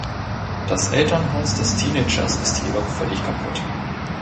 Das Elternhaus des Teenagers ist jedoch völlig kaputt.